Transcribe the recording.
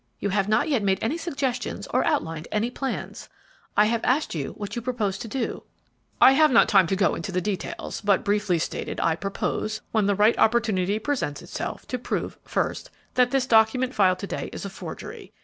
You have not yet made any suggestions or outlined any plans. I have asked you what you propose to do." "I have not time to go into details, but, briefly stated, I propose, when the right opportunity presents itself, to prove, first, that this document filed to day is a forgery.